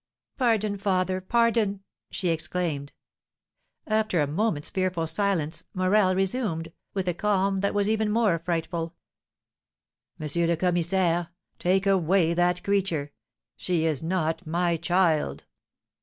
"Pardon, father, pardon!" she exclaimed. After a moment's fearful silence, Morel resumed, with a calm that was even more frightful: "M. le Commissaire, take away that creature; she is not my child!"